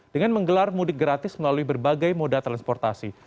dengan menggelar mudik gratis melalui berbagai moda transportasi